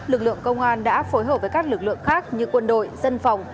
lực lượng công an đã phối hợp với các lực lượng khác như quân đội dân phòng